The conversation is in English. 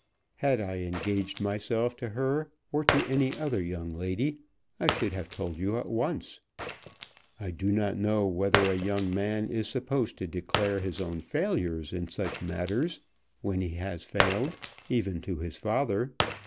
Had I engaged myself to her, or to any other young lady, I should have told you at once. I do not know whether a young man is supposed to declare his own failures in such matters, when he has failed, even to his father.